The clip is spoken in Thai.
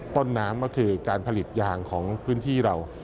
ต้นน้ำก็คือการผลิตยางของพื้นที่เรา